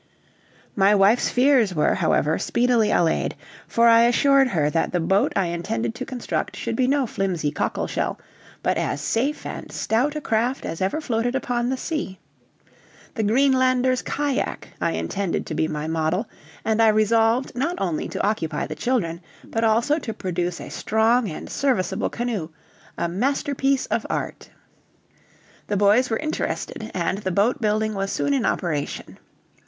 My wife's fears were, however, speedily allayed, for I assured her that the boat I intended to construct should be no flimsy cockle shell, but as safe and stout a craft as ever floated upon the sea. The Greenlander's cajack I intended to be my model, and I resolved not only to occupy the children, but also to produce a strong and serviceable canoe a masterpiece of art. The boys were interested, and the boat building was soon in operation.